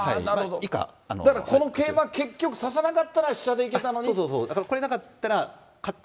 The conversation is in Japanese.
だからこの桂馬指さなかったら飛車でいけたのにって。